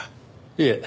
いえ。